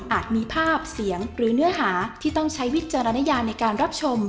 มีภาพเสียงหรือเนื้อหาที่ต้องใช้วิจารณญาในการรับชม